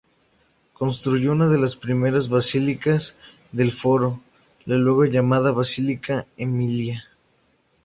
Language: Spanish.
Construyó una de las primeras basílicas del Foro, la luego llamada Basílica Emilia.